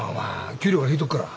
給料から引いとくから。